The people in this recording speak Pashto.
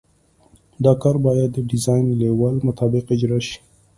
دا کار باید د ډیزاین لیول مطابق اجرا شي